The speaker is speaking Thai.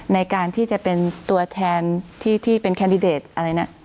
ในการที่จะเป็นตัวแทนที่เป็นแคนดิเดตอะไรนะ